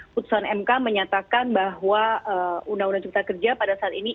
putusan mk menyatakan bahwa undang undang cipta kerja pada saat ini